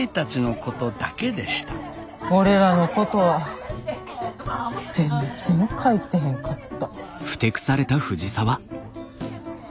俺らのことは全然書いてへんかった。